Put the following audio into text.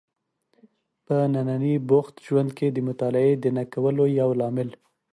په ننني بوخت ژوند کې د مطالعې د نه کولو یو لامل